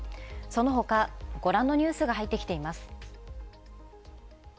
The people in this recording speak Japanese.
その他、ご覧のようなニュースが入ってきています。